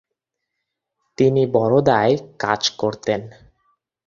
তিনি বরোদায় কাজ করতেন।